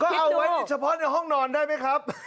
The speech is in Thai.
ก็เอาไว้เฉพาะในห้องนอนได้ไหมครับ